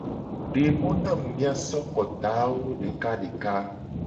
De mo na mu mia so kotawo deka deka.